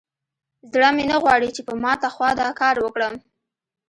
زړه مې نه غواړي چې په ماته خوا دا کار وکړم.